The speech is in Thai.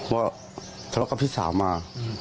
ว่าทะเลาะกับพี่สาวมา